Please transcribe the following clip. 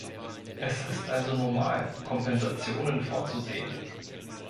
Es ist also normal, Kompensationen vorzusehen.